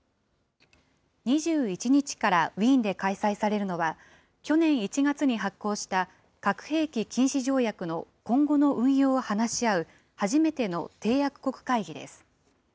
２１日からウィーンで開催されるのは、去年１月に発効した核兵器禁止条約の今後の運用を話し合う初めての締約国会議です。